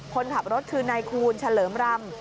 คนขับรถคือนายคูณเฉลิมรำ